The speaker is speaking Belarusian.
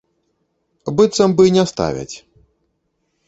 Быццам бы не ставяць.